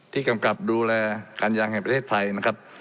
กำกับดูแลการยางแห่งประเทศไทยนะครับ